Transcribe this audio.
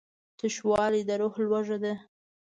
تشوالی د روح لوږه ده.